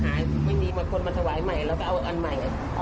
คนมาถวายใหม่แล้วก็เอาอันใหม่เอาออกไป